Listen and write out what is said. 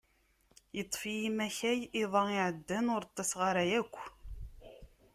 Yeṭṭef-iyi makay iḍ-a iɛeddan, ur ṭṭiseɣ ara yakk.